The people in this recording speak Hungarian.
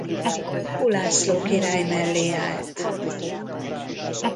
Ulászló király mellé állt.